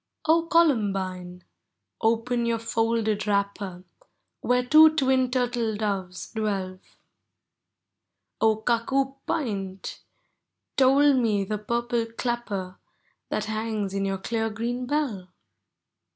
() Columbine! open your folded wrapper, Where two twin turtle doves dwell !* 0 Cuckoo pint! toll me the purple clapper That hangs in your clear green bell